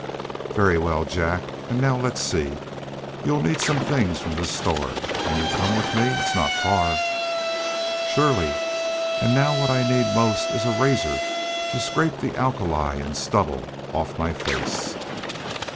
"Very well, Jack, and now let's see. You'll need some things from the store. Can you come with me? It's not far." "Surely. And now what I need most is a razor to scrape the alkali and stubble off my face."